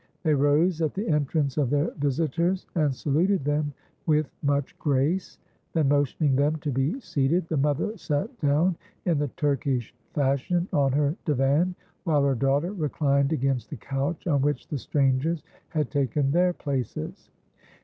They rose at the entrance of their visitors, and saluted them with much grace; then, motioning them to be seated, the mother sat down in the Turkish fashion on her divan, while her daughter reclined against the couch on which the strangers had taken their places.